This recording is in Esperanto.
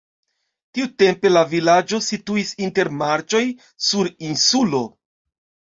Tiutempe la vilaĝo situis inter marĉoj sur insulo.